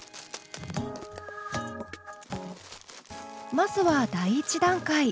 まずは第１段階。